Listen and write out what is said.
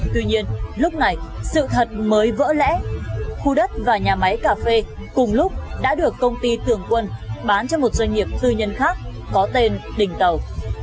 tuy nhiên lúc này sự thật mới vỡ lẽ khu đất và nhà máy cà phê cùng lúc đã được công ty tường quân bán cho một doanh nghiệp tư nhân khác có tên đình tàu